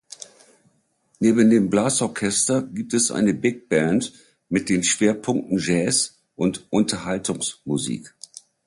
Neben dem Blasorchester gibt es eine Big Band mit den Schwerpunkten Jazz und Unterhaltungsmusik.